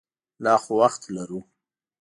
لا خو وخت لرو.